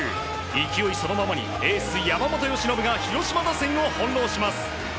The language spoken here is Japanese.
勢いそのままにエース、山本由伸が広島打線を翻弄します。